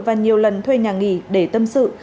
và nhiều lần thuê nhà nghỉ để tâm sự